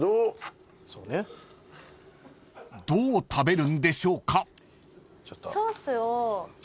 ［どう食べるんでしょうか？］